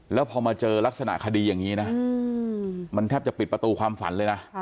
แล้วพอมาเจอลักษณะคดีอย่างนี้นะมันแทบจะปิดประตูความฝันเลยนะ